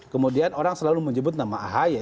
kemudian orang selalu menyebut nama ahy